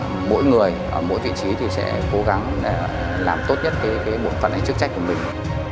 mỗi người ở mỗi vị trí sẽ cố gắng làm tốt nhất bộ phận hành chức trách của mình